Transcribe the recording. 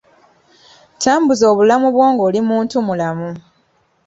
Tambuza obulamu bwo ng'oli muntu mulamu.